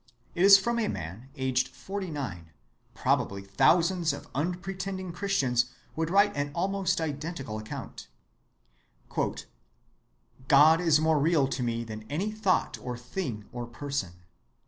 It is from a man aged forty‐nine,—probably thousands of unpretending Christians would write an almost identical account. "God is more real to me than any thought or thing or person.